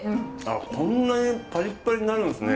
こんなにパリッパリになるんですね！